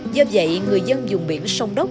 do vậy người dân dùng biển sông đốc